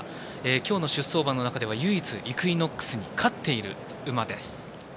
今日の出走馬の中では唯一、イクイノックスに勝っている馬です。